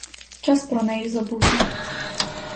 Час про неї забути.